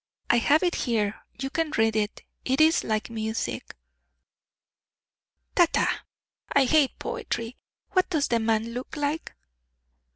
I have it here. You can read it; it is like music." "Ta, ta! I hate poetry. What does the man look like?"